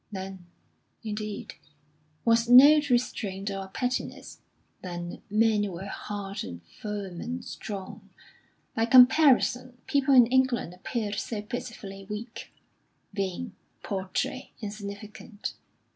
Then, indeed, was no restraint or pettiness; then men were hard and firm and strong. By comparison, people in England appeared so pitifully weak, vain, paltry, insignificant.